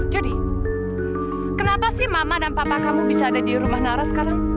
jadi kenapa sih mama dan papa kamu bisa ada di rumah nara sekarang